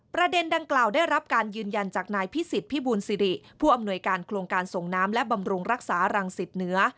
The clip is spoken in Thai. ประเด็นดังกล่าวได้รับการยืนยันจากนายพิสิทธิพิบูลสิริผู้อำนวยการโครงการส่งน้ำและบำรุงรักษารังสิตเหนือ